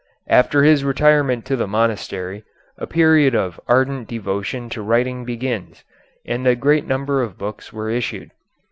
After his retirement to the monastery, a period of ardent devotion to writing begins, and a great number of books were issued.